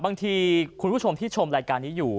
คุณผู้ชมที่ชมรายการนี้อยู่